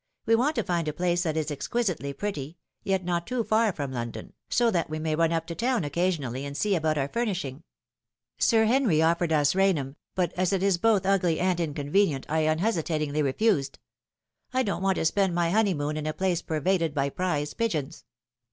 We want to find a place that is exquisitely pretty yet not too far from London, so that we may run up to town occasionally and see about our furnish 324 The Fatal Three. ing. Sir Henry offered us Rainham, but as it is both ugly and inconvenient I unhesitatingly refused. I don't want to spend my honeymoon in a place pervaded by prize pigeons."